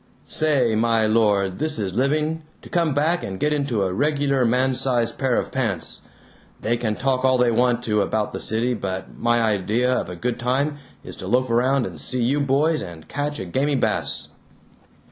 Say, my Lord, this is living, to come back and get into a regular man sized pair of pants. They can talk all they want to about the city, but my idea of a good time is to loaf around and see you boys and catch a gamey bass!"